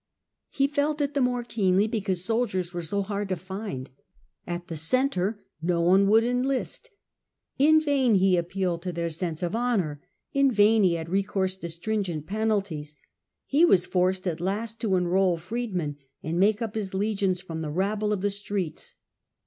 He felt it the more and riefof because soldicrs were so hard to find, the Em "° At the Centre no one would enlist. In vain peror, appealed to their sense of honour, in vain he had recourse to stringent penalties ; he was forced at last to enrol freedmen and make up his legions from the who can rabble of the streets.